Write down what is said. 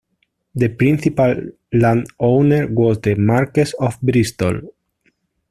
The principal landowner was The Marquess of Bristol.